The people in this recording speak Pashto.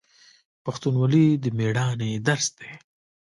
پښتونولي د میړانې درس دی.